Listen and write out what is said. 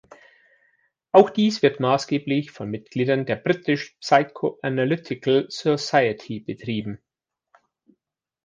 Auch dies wird maßgeblich von Mitgliedern der "British Psychoanalytical Society" betrieben.